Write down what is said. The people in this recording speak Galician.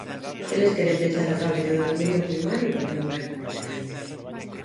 Eles queren pechar a fábrica de aluminio primario porque non queren competencia.